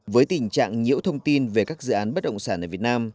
với tình trạng nhiễu thông tin về các dự án bất động sản ở việt nam